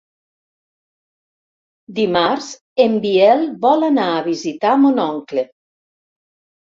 Dimarts en Biel vol anar a visitar mon oncle.